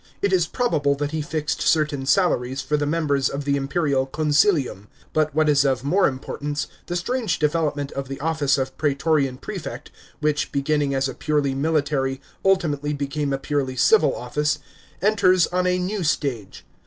It is probable that he fixed certain salaries for the members of the imperial Consilium. But what is of more importance, the stranue development of the office of praetorian prefect — which, beginning as a purely military, ulti mately became a purely civil office — enters on a new staye.